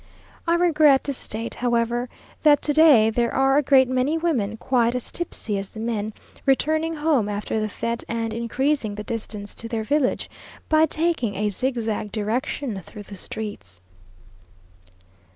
I regret to state, however, that to day there are a great many women quite as tipsy as the men, returning home after the fête, and increasing the distance to their village, by taking a zigzag direction through the streets....